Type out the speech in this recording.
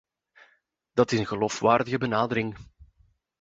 Dat is een geloofwaardige benadering.